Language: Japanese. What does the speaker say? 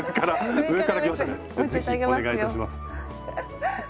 ぜひお願いいたします。